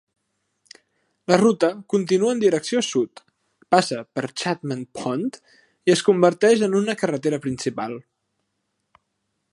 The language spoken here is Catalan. La ruta continua en direcció sud, passa per Chapman Pond i es converteix en una carretera principal.